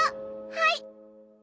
はい！